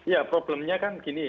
ya problemnya kan gini